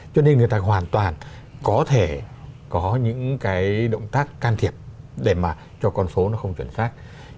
cho nên người ta hoàn toàn có thể có những động tác can thiệp để cho con số không chuẩn xác